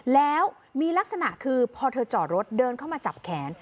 แล้วมีลักษณะคือพอเธอจอดรถเดินเข้ามาจับแขน